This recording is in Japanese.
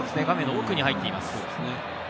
画面の奥に入っています。